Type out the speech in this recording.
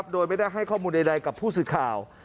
โดยไม่ได้ให้ข้อมูลใดกับผู้สื่อข่าว